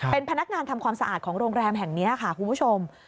เป็นพนักงานทำความสะอาดของโรงแรมแห่งนี้ค่ะคุณผู้ชม